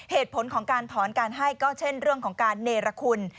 เหตุผลของการถอนการให้ก็เช่นเรื่องของการเนรคุณ